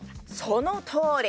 そのとおり。